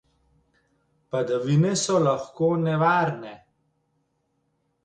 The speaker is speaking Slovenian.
Padavine so lahko nevarne.